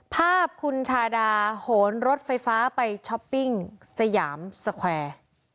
ภาพคุณชาดาโหนรถไฟฟ้าไปช้อปปิ้งสยามสแควร์